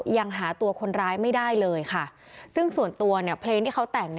ยังหาตัวคนร้ายไม่ได้เลยค่ะซึ่งส่วนตัวเนี่ยเพลงที่เขาแต่ง